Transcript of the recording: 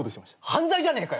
犯罪じゃねえかよ！